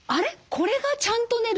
これがちゃんと寝る？